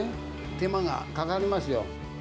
手間がかかりますよ。